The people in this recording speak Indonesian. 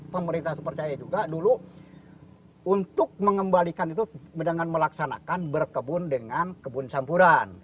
pemerintah itu percaya juga dulu untuk mengembalikan itu dengan melaksanakan berkebun dengan kebun campuran